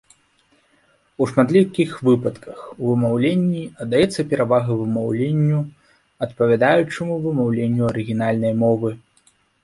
У шматлікіх выпадках у вымаўленні аддаецца перавага вымаўленню адпавядаючаму вымаўленню арыгінальнай мовы.